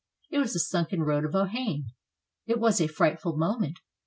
It was the sunken road of Ohain. It was a frightful moment.